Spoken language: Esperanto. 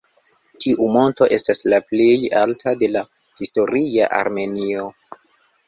Tiu monto estas la plej alta de la historia Armenio.